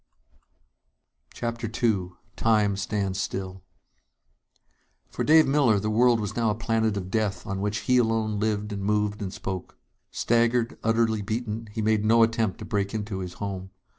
_" CHAPTER II Time Stands Still For Dave Miller, the world was now a planet of death on which he alone lived and moved and spoke. Staggered, utterly beaten, he made no attempt to break into his home.